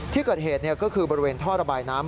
ที่เกิดเหตุก็คือบริเวณท่อระบายน้ำ